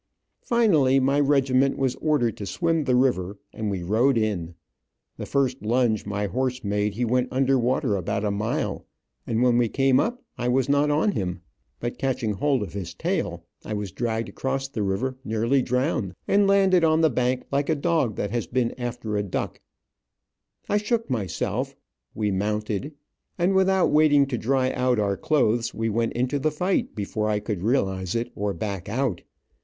Finally my regiment was ordered to swim the river, and we rode in. The first lunge my horse made he went under water about a mile, and when we came up I was not on him, but catching hold of his tail I was dragged across the river nearly drowned, and landed on the bank like a dog that has been after a duck I shook myself, we mounted and without waiting to dry out our clothes we went into the fight, before I could realize it, or back out.